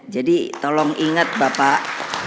jadi tolong ingat bapak